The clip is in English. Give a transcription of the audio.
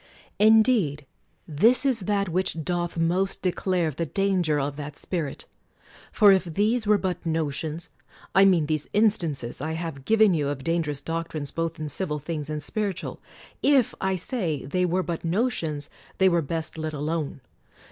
Indeed this is that which doth most declare the danger of that spirit. For if these were but notions, — I mean these instances I have given you of dangerous doctrines both in civil things and spiritual; if, I say, they were but notions, they were best let alone.